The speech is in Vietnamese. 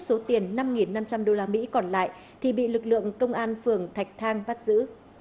số tiền năm năm trăm linh đô la mỹ còn lại thì bị lực lượng công an phường thạch thang bắt giữ